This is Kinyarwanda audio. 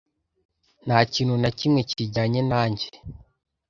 Nta kintu na kimwe kijyanye nanjye.